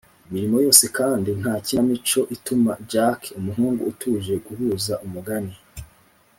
imirimo yose kandi ntakinamico ituma jack umuhungu utuje guhuza umugani